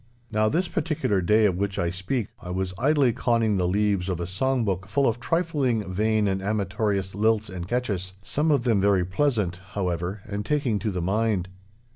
Now, this particular day of which I speak, I was idly conning the leaves of a song book full of trifling, vain, and amatorious lilts and catches—some of them very pleasant, however, and taking to the mind.